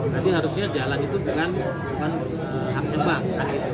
jadi harusnya jalan itu bukan haknya bank